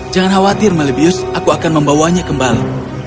jangan khawatir malibius aku akan membawanya kembali